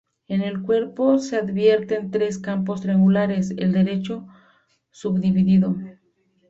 En el cuerpo se advierten tres campos triangulares, el derecho subdividido.